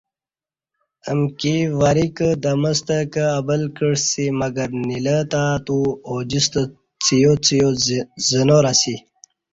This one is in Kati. امکی وریکہ دمستہ کہ ابل کعسی مگر نیلہ تہ اتو اوجِستہ څِیا څِیا زنار اسی